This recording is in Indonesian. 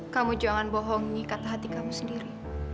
kamu jangan bohongi kata hati kamu sendiri